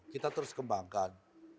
kita terus kembangkan